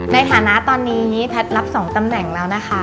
ในฐานะตอนนี้แพทย์รับ๒ตำแหน่งแล้วนะคะ